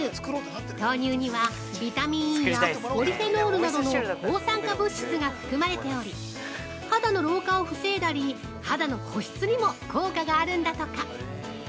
豆乳には、ビタミンＥやポリフェノールなどの抗酸化物質が含まれており、肌の老化を防いだり、肌の保湿にも効果があるんだとか！